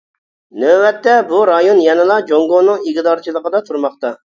نۆۋەتتە، بۇ رايون يەنىلا جۇڭگونىڭ ئىگىدارچىلىقىدا تۇرماقتا.